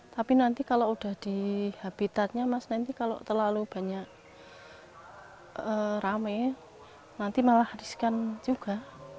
tapi nanti kalau udah di habitatnya mas nanti kalau terlalu banyak rame nanti malah riskan juga